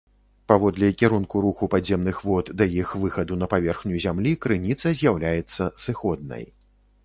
Паводле кірунку руху падземных вод да іх выхаду на паверхню зямлі крыніца з'яўляецца сыходнай.